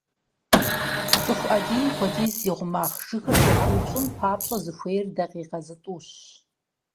ЦӀыху Ӏэдийм хуэдиз зи гъумагъ жыгыр зэпиупщӀын папщӀэ, зыхуейр дакъикъи зытӀущщ.